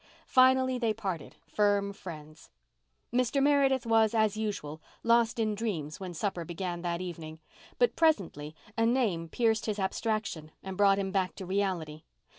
Finally they parted firm friends. Mr. Meredith was, as usual, lost in dreams when supper began that evening, but presently a name pierced his abstraction and brought him back to reality.